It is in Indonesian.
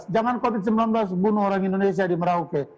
jangan covid sembilan belas bunuh orang indonesia di merauke